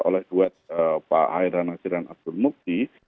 oleh duet pak hairan nasiran abdul mukti